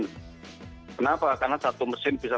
kenapa karena satu mesin bisa